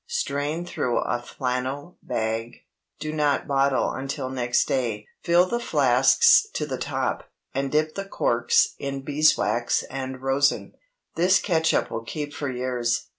Strain through a flannel bag. Do not bottle until next day. Fill the flasks to the top, and dip the corks in beeswax and rosin. This catsup will keep for years.